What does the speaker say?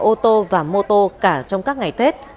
ô tô và mô tô cả trong các ngày tết